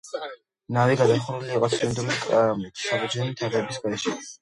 ნავი გადახურული იყო ცილინდრული კამარით, საბჯენი თაღების გარეშე.